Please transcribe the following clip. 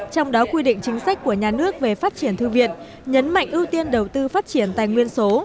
trong đó quy định chính sách của nhà nước về phát triển thư viện nhấn mạnh ưu tiên đầu tư phát triển tài nguyên số